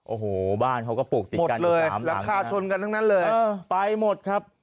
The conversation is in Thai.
โอ้โห้บ้านเขาก็ปลูกติดกัดที่ไปหมดครับ